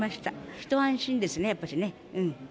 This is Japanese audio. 一安心ですね、やっぱしね。